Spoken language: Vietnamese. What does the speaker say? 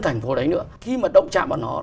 thành phố đấy nữa khi mà động trạm vào nó